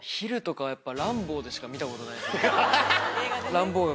ランボーが。